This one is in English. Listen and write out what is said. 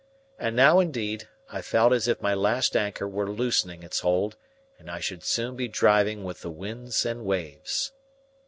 And now, indeed, I felt as if my last anchor were loosening its hold, and I should soon be driving with the winds and waves.